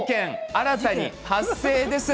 新たに発生です。